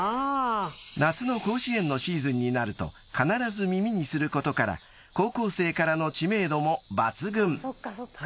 ［夏の甲子園のシーズンになると必ず耳にすることから高校生からの知名度も抜群］